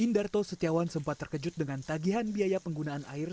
indarto setiawan sempat terkejut dengan tagihan biaya penggunaan air